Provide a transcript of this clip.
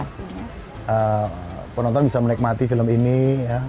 bisa menonton bisa menikmati film ini ya